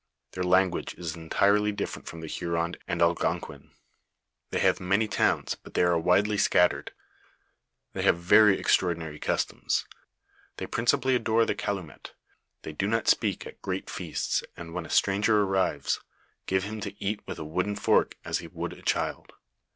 Their language is entirely different frona the Huron and Algonquin ; they have many towns, but they are widely scat tered ; they have very extraordinary customs ; they princi pally adore the calumet; they do not speak at great feasts, and when a stranger arrives, give him to eat with a wooden fork as we would a child.